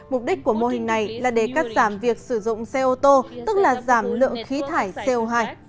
mục đích của mô hình này là để cắt giảm việc sử dụng xe ô tô tức là giảm lượng khí thải co hai